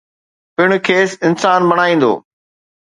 ، پڻ کيس انسان بڻائيندو.